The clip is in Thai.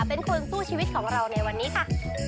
เป็นคนสู้ชีวิตของเราในวันนี้ค่ะ